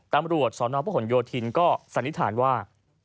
ตำรวจสนประหลโยธินก็สันนิษฐานว่า